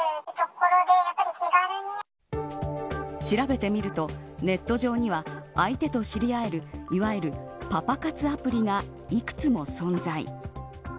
調べてみるとネット上には、相手と知り合えるいわゆるパパ活アプリが幾つも存在。